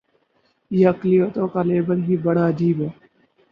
یہ اقلیتوں کا لیبل ہی بڑا عجیب ہے۔